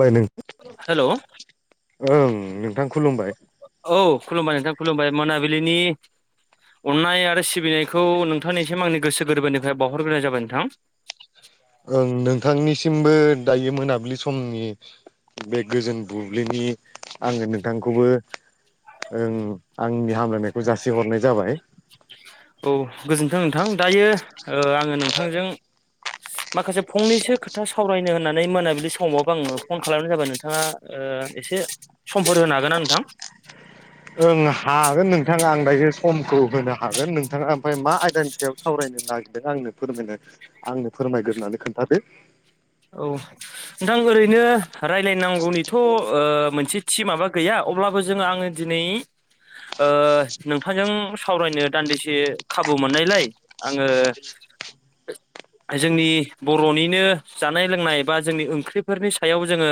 बाय नों हेलौ ओं नोंथां खुलुमबाय। औ खुलुमबाय नोंथां खुलुमबाय मोनाबिलिनि अननाय आरो सिबिनायखौ नोंथांनिसिम आंनि गोसो गोरबोनिफ्राय बावहरग्रोनाय जाबाय नोंथां। ओं नोंथांनिसिमबो दायो मोनाबिलि समनि बे गोजोन बुब्लिनि आङो नोंथांखौबो ओ आंनि हामलायनायखौ जासिहरनाय जाबाय। [inaudible] औ गोजोन्थों नोंथां दायो ओ आङो नोंथांजों माखासे फंनैसो खोथा सावरायनो होननानै मोनाबिलि समाव आङो फन खालामानो जाबाय नोंथाङा ओ एसे समफोर होनो हागोन आं नोंथां? ओं हागोन नोंथाङा आं दायो समखौ होनो हागोन नोंथाङा ओमफ्राय मा आइदानि सायाव सावरायनो नागिरदों आंनो फोरमायनो आंनो फोरमायग्रोनानै खोन्थादो। औ नोंथां ओरैनो राय्लायनांगौनिथ' ओ मोनसे थि माबा गैया अब्लाबो जोङो आङो दिनै ओ नोंथांजों सावरायनो दान्दिसे खाबु मोननायलाय आङो जोंनि बर'निनो जानाय लोंनाय बा जोंनि ओंख्रिफोरनि सायाव जोङो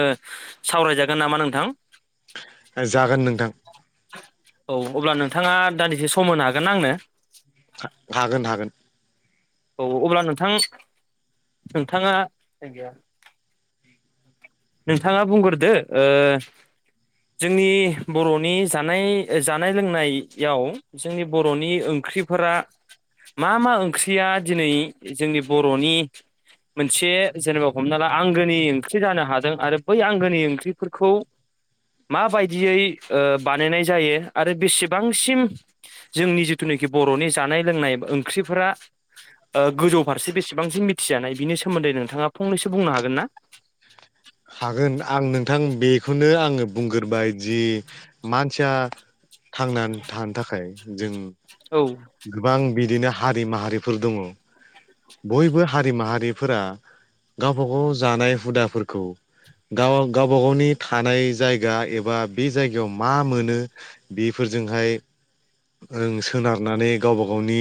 सावरायजागोन नामा नोंथां? जागोन नोंथां औ अब्ला नोंथाङा दान्दिसे सम होनो हागोन ना आंनो? हागोन हागोन। औ अब्ला नोंथां नोंथाङा नोंथाङा बुंग्रोदो ओ जोंनि बर'नि जानाय जानाय लोंनायाव जोंनि बर'नि ओंख्रिफोरा मा मा ओंख्रिया दिनै जोंनि बर'नि मोनसे जेनेबा हमना ला आंगोनि ओंख्रि जानो हा दों आरो बै आंगोनि ओंख्रिफोरखौ माबायदियै ओ बानायनाय जायो आरो बेसेबांसिम जोंनि जिथुनाखि बर'नि जानाय लोंनाय ओंख्रिफोरा ओ गोजौ फारसे बेसेबांसिम मिथिजानाय बिनि सोमोन्दै नोंथाङा फंनैसो बुंनो हागोन ना? हागोन आं नोंथां बेखौनो आङो बुंग्रोबाय जि मानसिया थांनानै थानो थाखाय जों औ गोबां बिदिनो हारि माहारिफोर दङ' बयबो हारि माहारिफोरा गावबा गाव जानाय हुदाफोरखौ गाव गावबा गावनि थानाय जायगा एबा बे जायगायाव मा मोनो बेफोरजोंहाय ओं सोनार नानै गावबा गावनि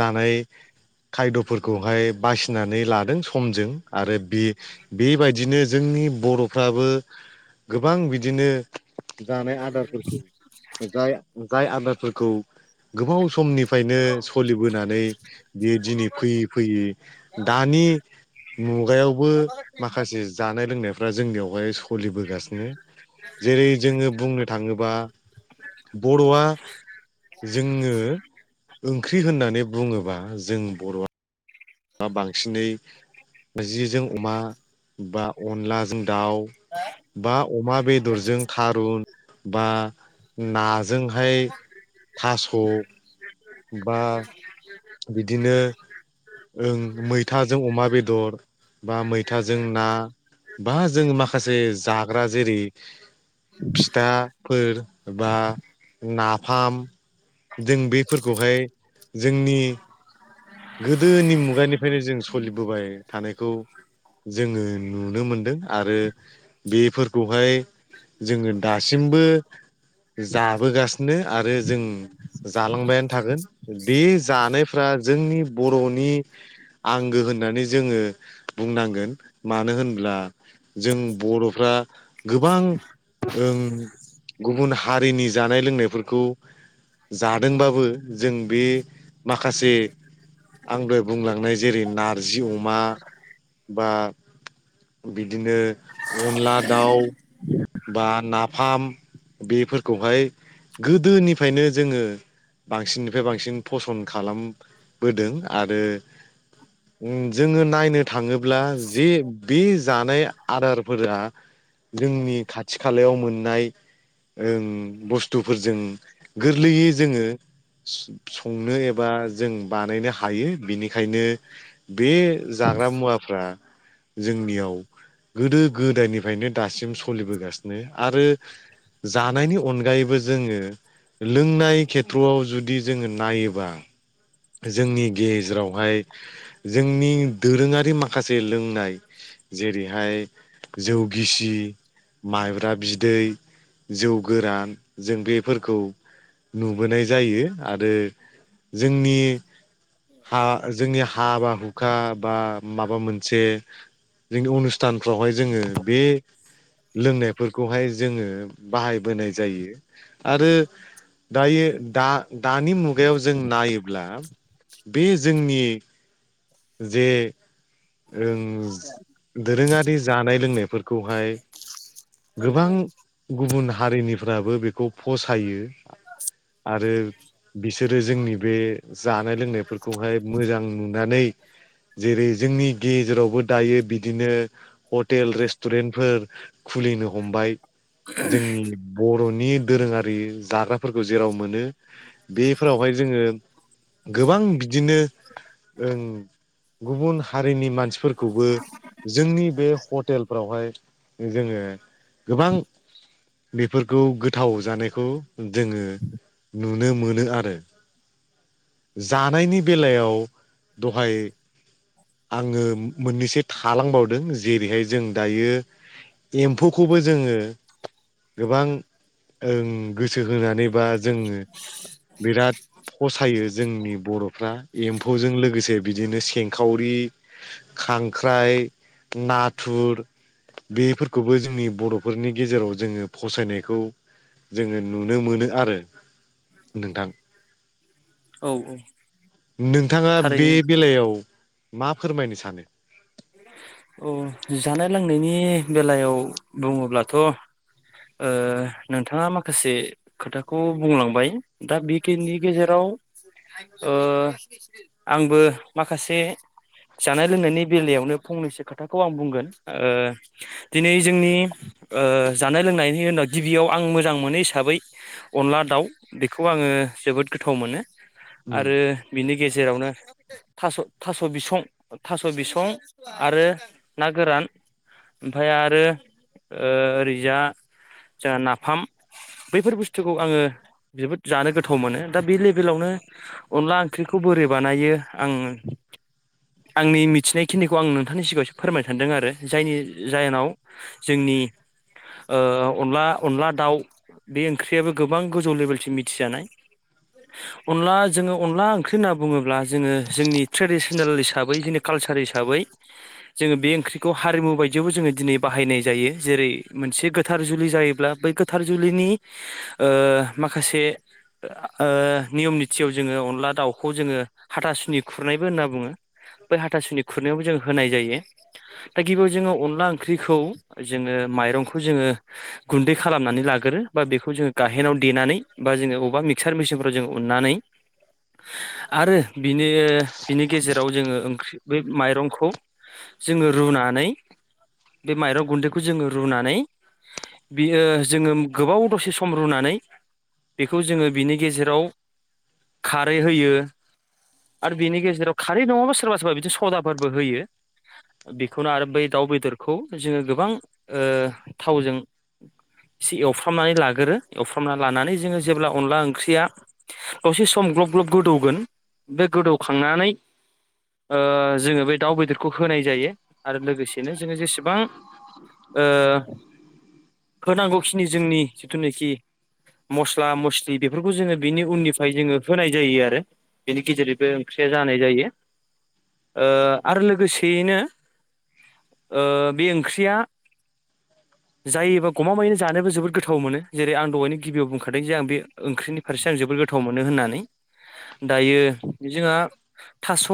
जानाय खायद'फोरखौहाय बासिनानै लादों समजों आरो बि बेबायदिनो जोंनि बर'फ्राबो गोबां बिदिनो जानाय आदारफोरखौ जाय जाय आदारफोरखौ गोबाव समनिफ्रायनो सलिबोनानै बेयो दिनै फैयै फैयै दानि मुगायावबो माखासे जानाय लोंनायफ्रा जोंनियावहाय सलिबोगासिनो जेरै जोंङो बुंनो थाङोबा बर'आ जोङो ओंख्रि होननानै बुंङोबा जों बर'आ बा बांसिनै जिजों अमा बा अनलाजों दाउ बा अमा बेदरजों थारुन बा नाजोंहाय थास' बा बिदिनो ओं मैथाजों अमा बेदर बा मैथाजों ना बा जोंङो माखासे जाग्रा जेरै फिथाफोर बा नाफाम जों बेफोरखौहाय जोंनि गोदोनि मुगानिफ्रायनो जों सलिबोबाय थानायखौ जोङो नुनो मोनदों आरो बेफोरखौहाय जोङो दासिमबो जाबोगासिनो आरो जों जालांबायानो थागोन बे जानायफ्रा जोंनि बर'नि आंगो होननानै जोङो बुंनांगोन मानो होनब्ला जों बर'फ्रा गोबां ओं गुबुन हारिनि जानाय लोंनायफोरखौ जादोंबाबो जों बे माखासे आं दहाय बुंलांनाय जेरै नारजि अमा बा बिदिनो अनला दाउ बा नाफाम बेफोरखौहाय गोदोनिफ्रायनो जोंङो बांसिननिफ्राय बांसिन फसन्द खालामबोदों आरो [inaudible] जोंङो नायनो थांङोब्ला जे बे जानाय आदारफोरा जोंनि खाथि खालायाव मोननाय ओ बुस्थुफोरजों गोरलैयै जोंङो [unintelligible] संनो एबा जों बानायनो हायो बिनिखायनो बे जाग्रा मुवाफ्रा जोंनियाव गोदो गोदायनिफ्रायनो दासिम सलिबोगासिनो आरो जानायनि अनगायैबो जोंङो लोंनाय खेथ्र'आव जुदि जोंङो नायोबा जोंनि गेजेरावहाय जोंनि दोरोङारि माखासे लोंनाय जेरैहाय जौ गिसि माइब्रा बिदै जौ गोरान जों बेफोरखौ नुबोनाय जायो आरो जोंनि जोंनि हा बा हुखा खा बा माबा मोनसे जोंनि अनुस्थानफ्रावहाय जोंङो बे लोंनायफोरखौहाय जोंङो बाहायबोनाय जायो आरो दायो दा दानि मुगायाव जों नायोब्ला बे जोंनि जे ओं दोरोंङारि जानाय लोंनायफोरखौहाय गोबां गुबुन हारिनिफ्राबो बेखौ फसायो आरो बिसोरो जोंनि बे जानाय लोंनायफोरखौहाय मोजां नुनानै जेरै जोंनि गेजेरावबो दायो बिदिनो हटेल रेस्टुरेन्टफोर खुलिनो हमबाय जोंनि बर'नि दोरोङारि जाग्राफोरखौ जेराव मोनो बेफोरावहाय जोङो गोबां बिदिनो ओं गुबुन हारिनि मानसिफोरखौबो जोंनि बे हटेलफ्रावहाय जोङो गोबां बेफोरखौ गोथाव जानायखौ जोङो नुनो मोनो आरो जानायनि बेलायाव दहाय आङो मोननैसो थालांबावदों जेरैहाय जों दायो एम्फौखौबो जोङो गोबां ओं गोसो होनानै बा जोङो बिराद फसायो जोंनि बर'फ्रा एम्फौजों लोगोसे बिदिनो सेंखावरि खांख्राइ नाथुर बेफोरखौबो जोंनि बर'फोरनि गेजेराव जोङो फसायनायखौ जोङो नुनो मोनो आरो नोंथां औ औ नोंथाङा बे थारैनो बेलायाव मा फोरमायनो सानो औ जानाय लोंनायनि बेलायाव बुङोब्लाथ' ओ नोंथांङा माखासे खोथाखौ बुंलांबाय दा बेखिनि गेजेराव ओ आंबो माखासे जानाय लोंनायनि बेलायावनो फंनैसो खोथाखौ आं बुंगोन ओ दिनै जोंनि जानाय लोंनायनि उनाव गिबियाव आं मोजां मोनो हिसाबै अनला दाउ बेखौ आङो जोबोद गोथाव मोनो उम आरो बिनि गेजेरावनो थास' थास' बिसं थास' थास' बिसं आरो ना गोरान ओमफ्राय आरो ओरैजा जोंहा नाफाम बैफोर बुस्थुखौ आङो जोबोद जानो गोथाव मोनो दा बे लेभेलावनो अनला ओंख्रिखौ बोरै बानायो आङो आंनि मि थिनायखिनिखौ आं नोंथांनि सिगाङावसो फोरमाय सानदों आरो जायनि जाहोनाव जोंनि ओ अनला अनला दाउ बे ओंख्रियाबो गोबां गोजौ लेभेलसिम मिथिजानाय अनला जोङो अनला ओंख्रि होनना बुङोब्ला जोङो जोंनि ट्रेडिसनेल हिसाबै जेने कालसार हिसाबै जोङो बे ओंख्रिखौ हारिमु बायदियावबो जोङो दिनै बाहायनाय जायो जेरै मोनसे गोथार जुलि जायोब्ला बै गो थार जुलिनि ओ माखासे ओ नियम निथियाव जोङो अनला दाउखौ जोङो हाथासुनि खुरनायबो होनना बुङो बै हाथासुनि खुरनायावबो जों होनाय जायो दा गिबियाव जोङो अनला ओंख्रिखौ जोङो माइरंखौ जोङो गुन्दै खालामनानै लाग्रो बा बेखौ जोङो गाहेनाव देनानै बा जोङो अबेबा मिक्सार मेसिनफ्राव जोङो उननानै आरो बिनि बिनि गेजेराव जोङो ओंख्रि बे माइरंखौ जोङो रुनानै बे माइरं गुन्दैखौ जोङो रुनानै बियो जोङो गोबाव दसे सम रुनानै बेखौ जोङो बिनि गेजेराव खारै होयो आरो बिनि गेजेराव खारै नङाबा सोरबा सोरबा बिदिनो सदाफोरबो होयो बेखौनो आरो बै दाउ बेदरखौ जोङो गोबां ओ थावजों एसे एवफ्रामनानै लागोरो एवफ्रामना लानानै जोङो जेब्ला अनला ओंख्रिया दसे सम ग्लब ग्लब गोदौगोन बे गोदौखांनानै ओ जोङो बे दाउ बेदरखौ होनाय जायो आरो लोगोसेनो जोङो जेसेबां ओ होनांगौखिनि जोंनि जिथुनाखि मस्ला मस्लि बेफोरखौ जोङो बिनि उननिफ्राय जोङो होनाय जायो आरो बेनि गेजेरैबो ओंख्रिया जानाय जायो ओ आरो लोगोसेयैनो ओ बे ओंख्रिया [inaudible] जायोबा गमामायैनो जानोबो जोबोद गोथाव मोनो जेरै आं दहायनो गिबियाव बुंखादों जे आं बे ओंख्रिनि फारसे आं जोबोद गोथाव मोनो होननानै दायो जोंहा थास'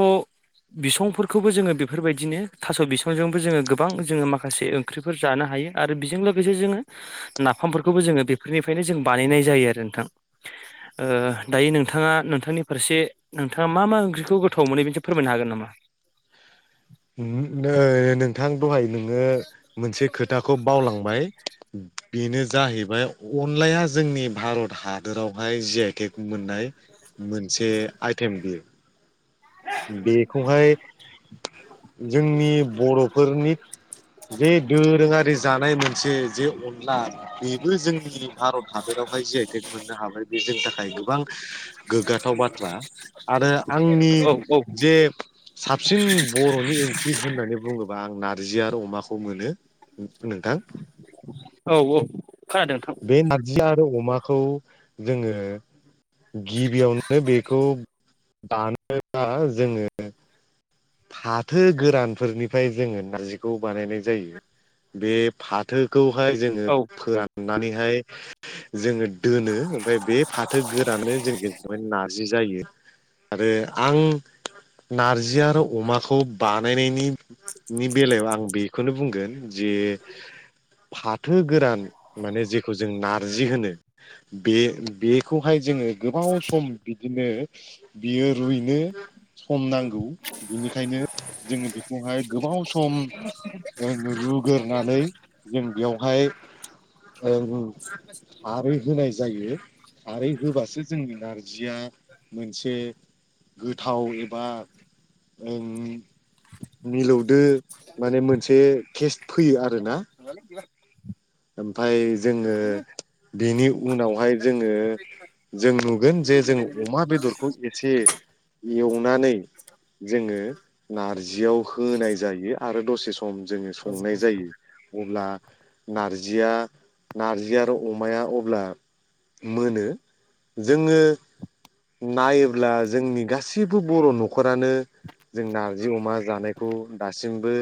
बिसंफोरखौबो जोङो बेफोरबायदिनो थास' बिसंजोंबो जोङो गोबां जोङो माखासे ख्रिफोर जानो हायो आरो बेजों लोगोसे जोङो नाफामफोरखौबो जोङो बेफोरनिफ्रायनो जों बानायनाय जायो आरो नोंथां ओ दायो नोंथाङा नोंथांनि फारसे नोंथाङा मा मा ओंख्रिखौ गोथाव मोनो बेनो सायाव फोरमायनो हागोन नामा नै नोंथां दहाय नोङो मोनसे खोथाखौ बावलांबाय बेनो जाहैबाय अनलाया जोंनि भारत हादोरावहाय जि आइ टेक मोननाय मोनसे आइटेम बियो बेखौहाय जोंनि बर'फोरनि जे दोरोङारि जानाय मोनसे जे अन ला बेबो जोंनि भारत हादरावहाय जि आइ टेक मोननो हाबाय बे जोंनि थाखाय गोबां गोग्गाथाव बाथ्रा आरो आंनि औ औ जे साबसिन बर'नि ओंख्रि होननानै बुङोबा आं नारजि आरो अमाखौ मोनो उम नोंथां औ औ खोनादों नोंथां बे नारजि आरो अमाखौ जोङो गिबियावनो बेखौ दानोब्ला जोङो फाथो गोरानफोरनिफ्राय जोङो नारजिखौ बानायनाय जायो बे फाथोखौहाय जोङो औ फोराननानैहाय जोङो दोनो ओमफ्राय बे फाथो गोरानो जों गेजेरहाय नारजि जायो आरो आं नारजि आरो अमाखौ बानायनायनि नि बेलायाव आं बेखौनो बुंगोन जे फाथो गोरान माने जेखौ जों नारजि होनो बे बेखौहाय जोङो गोबाव सम बिदिनो बियो रुइनो सम नांगौ बिनिखायनो जोङो बेखौहाय गोबाव सम ओ रुगोरनानै जों बेयावहाय ओ खारै होनाय जायो खारै होबासो जोंनि नारजिया मोनसे गोथाव एबा ओं मिलौदो माने मोनसे केस्ट फैयो आरोना गैलालै गैला ओमफ्राय जोङो बेनि उनावहाय जोङो जों नुगोन जे जों अमा बेदरखौ एसे एवनानै जोङो नारजियाव होनाय जायो आरो दसे सम सम जोङो संनाय जायो अब्ला नारजिया नारजि आरो अमाया अब्ला मोनो जोङो नायोब्ला जोंनि गासैबो बर' न'खरानो जों नारजि अमा जानायखौ दासिमबो